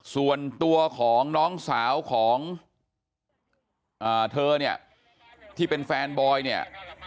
ส่วนตัวของน้องสาวของเธอเนี่ยที่เป็นแฟนบอยเนี่ย